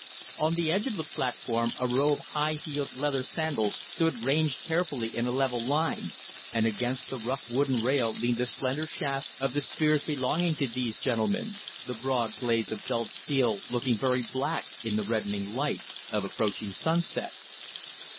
On the edge of the platform a row of high heeled leather sandals stood ranged carefully in a level line, and against the rough wooden rail leaned the slender shafts of the spears belonging to these gentlemen, the broad blades of dulled steel looking very black in the reddening light of approaching sunset.